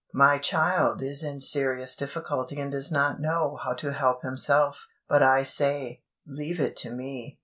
My child is in serious difficulty and does not know how to help himself; but I say, "Leave it to me."